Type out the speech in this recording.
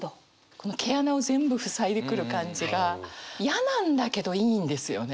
この毛穴を全部塞いでくる感じが嫌なんだけどいいんですよね。